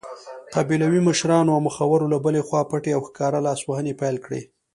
قبیلوي مشرانو او مخورو له بلې خوا پټې او ښکاره لاسوهنې پیل کړې.